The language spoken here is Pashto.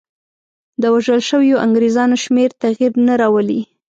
د وژل شویو انګرېزانو شمېر تغییر نه راولي.